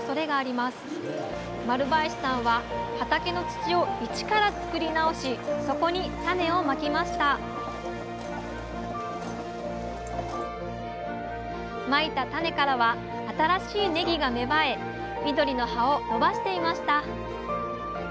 丸林さんは畑の土を一から作り直しそこに種をまきましたまいた種からは新しいねぎが芽生え緑の葉を伸ばしていました。